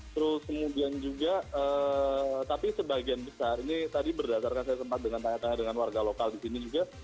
terus kemudian juga tapi sebagian besar ini tadi berdasarkan saya sempat dengan tanya tanya dengan warga lokal di sini juga